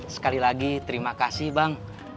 sekali lagi terima kasih bang